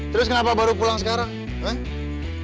terus kenapa baru pulang sekarang kan